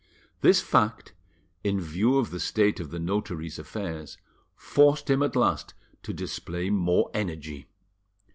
This fact, in view of the state of the notary's affairs, forced him at last to display more energy.